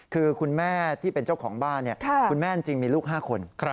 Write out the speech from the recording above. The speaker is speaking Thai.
คือคุณแม่ที่เป็นเจ้าของบ้านคุณแม่จริงมีลูก๕คน